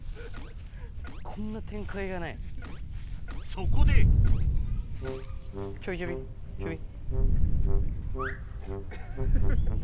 そこでちょびちょびちょび。